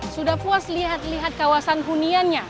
sudah puas lihat lihat kawasan huniannya